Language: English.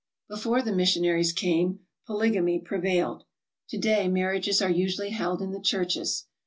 Before the missionaries came polygamy prevailed. To day marriages are usually held in the churches.